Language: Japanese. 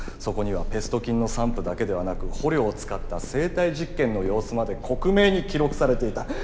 そこにはペスト菌の散布だけではなく捕虜を使った生体実験の様子まで克明に記録されていた。